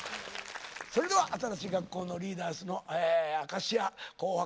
それでは新しい学校のリーダーズの「明石家紅白！」